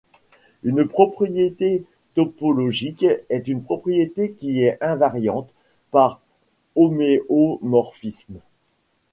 Une propriété topologique est une propriété qui est invariante par homéomorphismes.